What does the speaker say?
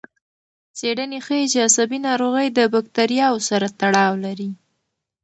څېړنه ښيي چې عصبي ناروغۍ د بکتریاوو سره تړاو لري.